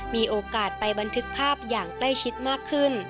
มีโอกาสไปบันทึกภาพอย่างใกล้ชิดมากขึ้น